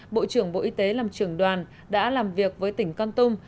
bộ trưởng bộ y tế làm trưởng đoàn đã làm việc với tỉnh con tum